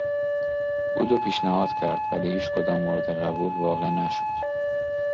او دو پیشنهاد کرد ولی هیچکدام مورد قبول واقع نشد.